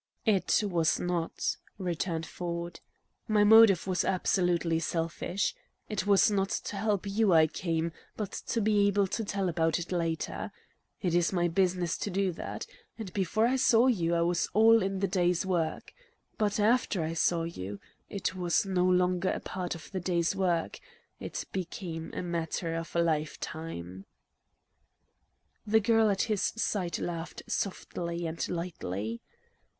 "It was not," returned Ford. "My motive was absolutely selfish. It was not to help you I came, but to be able to tell about it later. It is my business to do that. And before I saw you, it was all in the day's work. But after I saw you it was no longer a part of the day's work; it became a matter of a life time." The girl at his side laughed softly and lightly.